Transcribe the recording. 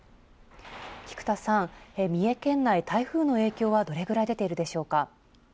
きくたさん、三重県内、台風の影響はどれぐらい出ているでしょうか。